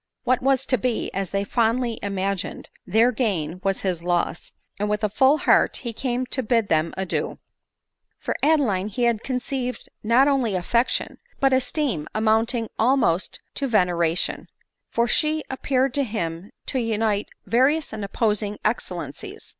What was to be, as they fondly imagined, their gain, was his loss, and with a full heart he came to bid them adieu. For Adeline he had conceived not only affection, but esteem amounting almost to veneration; for she appear ed to him to unite various and opposing excellencies.